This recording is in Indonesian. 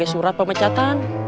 kayak surat pemecatan